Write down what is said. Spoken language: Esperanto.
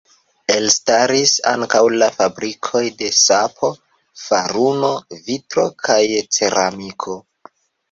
Elstaris ankaŭ la fabrikoj de sapo, faruno, vitro kaj ceramiko.